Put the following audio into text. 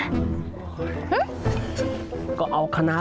ซ้ายขวาซ้าย